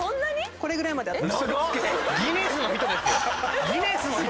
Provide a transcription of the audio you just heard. これぐらいまであって。